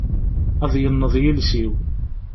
Ad yenneḍ yiles-iw.